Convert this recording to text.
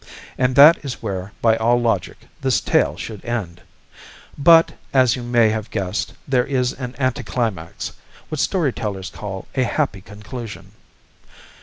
And that is where, by all logic, this tale should end. But, as you may have guessed, there is an anticlimax what story tellers call a happy conclusion.